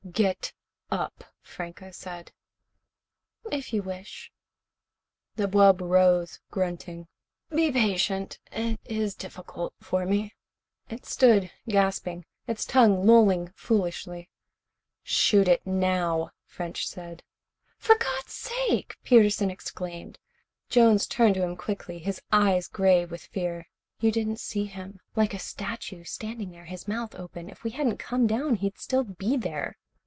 "Get up," Franco said. "If you wish." The wub rose, grunting. "Be patient. It is difficult for me." It stood, gasping, its tongue lolling foolishly. "Shoot it now," French said. "For God's sake!" Peterson exclaimed. Jones turned to him quickly, his eyes gray with fear. "You didn't see him like a statue, standing there, his mouth open. If we hadn't come down, he'd still be there."